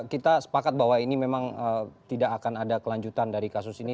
kita sepakat bahwa ini memang tidak akan ada kelanjutan dari kasus ini